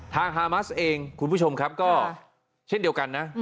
ฮามัสเองคุณผู้ชมครับก็เช่นเดียวกันนะ